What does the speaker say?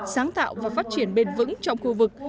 sáng tạo và phát triển bền vững trong khu vực